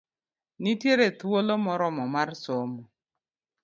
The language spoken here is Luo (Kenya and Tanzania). Nitiere thuolo moromo mar somo.